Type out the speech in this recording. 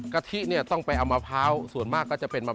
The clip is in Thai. กะทิเนี่ยต้องไปเอามะพร้าวส่วนมากก็จะเป็นมะ